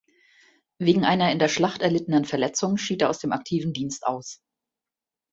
Wegen einer in der Schlacht erlittenen Verletzung schied er aus dem aktiven Dienst aus.